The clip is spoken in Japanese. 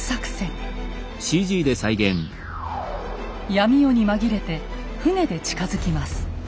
闇夜に紛れて船で近づきます。